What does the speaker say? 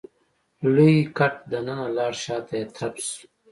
لوی ګټ دننه لاړ شاته يې ترپ شو.